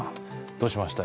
どうしました？